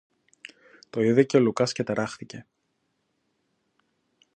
Το είδε και ο Λουκάς και ταράχθηκε.